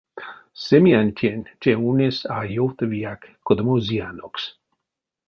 Семиянтень те ульнесь а ёвтавияк кодамо зыянокс.